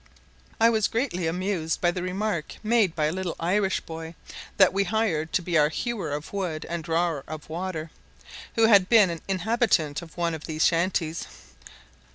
[* I was greatly amused by the remark made by a little Irish boy, that we hired to be our hewer of wood and drawer of water, who had been an inhabitant of one of these shanties.